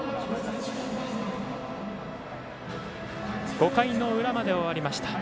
５回の裏まで終わりました。